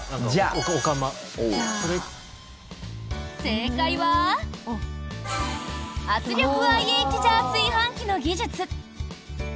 正解は圧力ＩＨジャー炊飯器の技術。